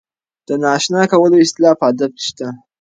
د نااشنا کولو اصطلاح په ادب کې شته.